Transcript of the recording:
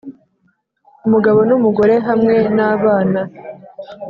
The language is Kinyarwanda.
umugabo n'umugore hamwe n'abana